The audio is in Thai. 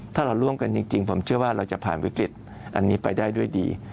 ถ้าเราร่วมกันจริงผมเชื่อว่าเราจะผ่านวิกฤตอันนี้ไปได้ด้วยดี